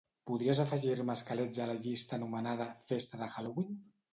Podries afegir-me esquelets a la llista anomenada "festa de Halloween"?